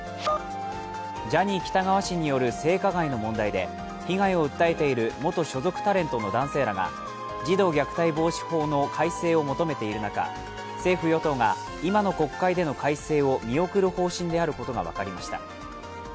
ジャニー喜多川氏による性加害の問題で、被害を訴えている元所属タレントの男性らが児童虐待防止法の改正を求めている中政府・与党が、今の国会での改正を見送る方針であることが分かりました。